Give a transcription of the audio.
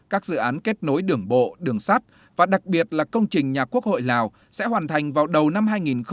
các dự án kết nối đường bộ đường sắt và đặc biệt là công trình nhà quốc hội lào sẽ hoàn thành vào đầu năm hai nghìn hai mươi